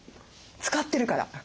使ってるから。